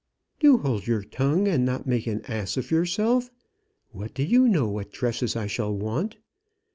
"Do hold your tongue, and not make an ass of yourself. What do you know what dresses I shall want?